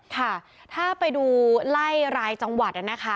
ค่ะถ้าไปดูไล่รายจังหวัดนะคะ